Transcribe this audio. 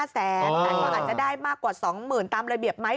แต่ก็อาจจะได้มากกว่า๒๐๐๐ตามระเบียบไหม